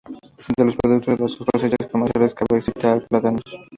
Entre los productos de las cosechas comerciales cabe citar los plátanos.